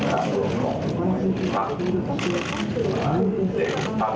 สวัสดีครับ